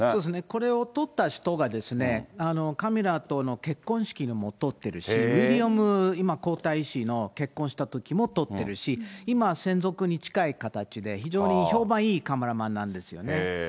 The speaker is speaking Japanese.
これを撮った人がですね、カミラとの結婚式でも撮ってるし、ウィリアム、今、皇太子の結婚したときも撮ってるし、今、専属に近い形で、非常に評判いいカメラマンなんですよね。